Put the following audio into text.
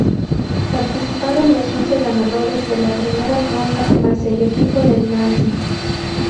Participaron los once ganadores de la primera ronda más el equipo del Nancy.